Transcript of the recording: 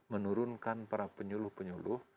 menurunkan para penyuluh penyuluh